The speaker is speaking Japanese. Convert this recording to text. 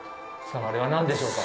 あれは何でしょうか？